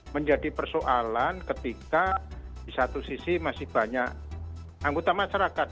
menjadi persoalan ketika di satu sisi masih banyak anggota masyarakat